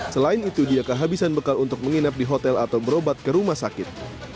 selain itu dia kehabisan bekal untuk menginap di hotel atau berobat ke rumah sakit